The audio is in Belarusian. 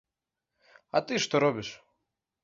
А ты што робіш?